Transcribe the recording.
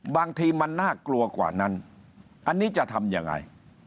บางทีมันน่ากลัวกว่านั้นอันนี้จะทำยังไง